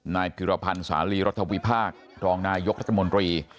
นายพิรพันธ์สาลีรัฐวิพากษ์รองนายกรัฐมนตรี